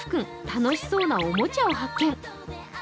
楽しそうなおもちゃを発見。